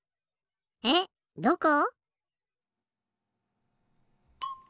えっどこ？